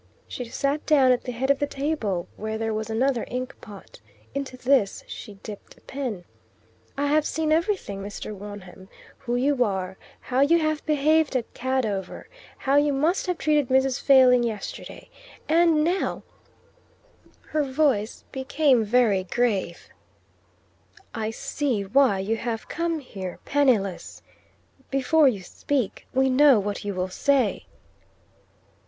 She sat down at the head of the table, where there was another ink pot. Into this she dipped a pen. "I have seen everything, Mr. Wonham who you are, how you have behaved at Cadover, how you must have treated Mrs. Failing yesterday; and now" her voice became very grave "I see why you have come here, penniless. Before you speak, we know what you will say."